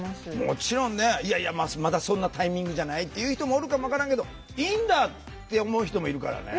もちろんねいやいやまだそんなタイミングじゃないっていう人もおるかも分からんけどいいんだって思う人もいるからね。